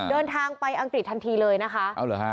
เดินทางไปอังกฤษทันทีเลยนะคะเอาเหรอฮะ